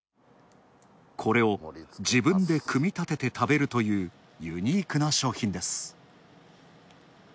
これを自分で組み立てて食べるというユニークな商品です。